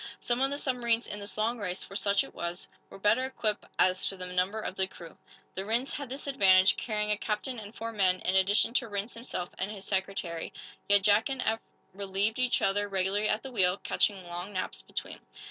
Some of the submarines in this long race for such it was were better equipped as to the number of the crew. The Rhinds had this advantage, carrying a captain and four men, in addition to Rhinds himself and his secretary. Yet Jack and Eph relieved each other regularly at the wheel, catching long naps between.